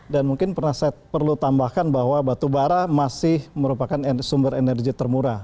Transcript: dan mungkin perlu tambahkan bahwa batubara masih merupakan sumber energi termura